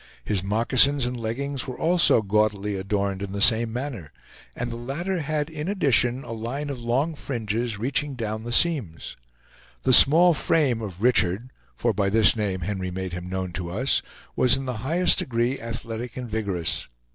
His moccasins and leggings were also gaudily adorned in the same manner; and the latter had in addition a line of long fringes, reaching down the seams. The small frame of Richard, for by this name Henry made him known to us, was in the highest degree athletic and vigorous.